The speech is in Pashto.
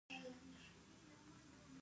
باران د افغانستان د کلتوري میراث برخه ده.